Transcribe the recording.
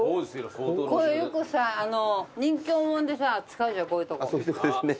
ここよくさ任侠もんでさ使うじゃんこういうとこ。